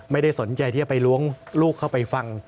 ไม่ได้สนใจที่จะไปล้วงลูกเข้าไปฟัง